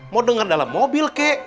mau dengar dalam mobil kek